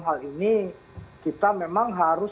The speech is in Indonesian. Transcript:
hal ini kita memang harus